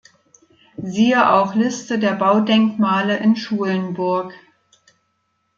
Siehe auch Liste der Baudenkmale in Schulenburg